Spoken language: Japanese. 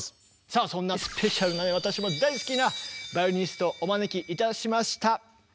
さあそんなスペシャルな私も大好きなバイオリニストお招きいたしました。